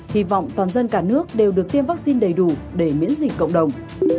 hy vọng toàn dân cả nước đều được tiêm vaccine đầy đủ để miễn dịch cộng đồng